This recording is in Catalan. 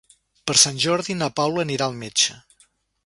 Per Sant Jordi na Paula anirà al metge.